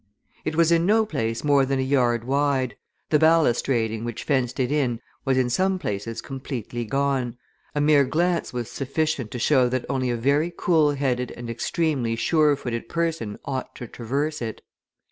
It was in no place more than a yard wide; the balustrading which fenced it in was in some places completely gone, a mere glance was sufficient to show that only a very cool headed and extremely sure footed person ought to traverse it.